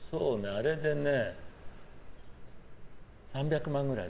あれで３００万円くらい。